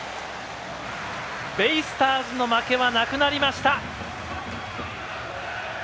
ベイスターズの負けはなくなりました。